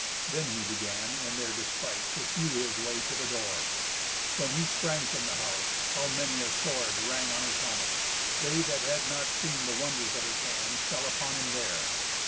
Then he began, in their despite, to hew his way to the door. When he sprang from the house, how many a sword rang on his helmet! They that had not seen the wonders of his hand fell upon him there.